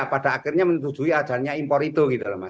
pada akhirnya menuju adanya impor itu